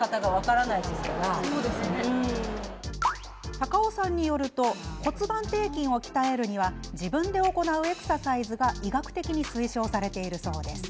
高尾さんによると骨盤底筋を鍛えるには自分で行うエクササイズが医学的に推奨されているそうです。